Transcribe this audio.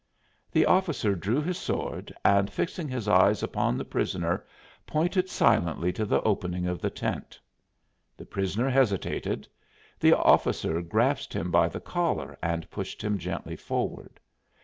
The officer drew his sword and fixing his eyes upon the prisoner pointed silently to the opening of the tent. The prisoner hesitated; the officer grasped him by the collar and pushed him gently forward.